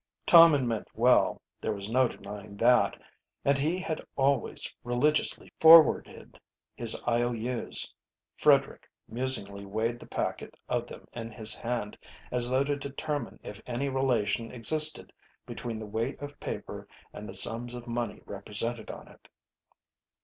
Tom had meant well, there was no denying that. And he had always religiously forwarded his I O U's. Frederick musingly weighed the packet of them in his hand, as though to determine if any relation existed between the weight of paper and the sums of money represented on it.